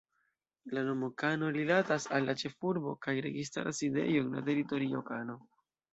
La nomo "Kano" rilatas al la ĉefurbo kaj registara sidejo de la teritorio, Kano.